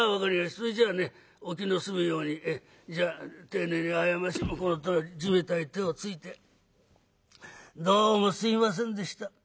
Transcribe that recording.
それじゃあねお気の済むようにじゃあ丁寧に謝りこのとおり地べたへ手をついてどうもすいませんでした。